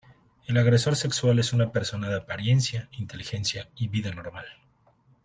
El agresor sexual es una persona de apariencia, inteligencia y vida normal.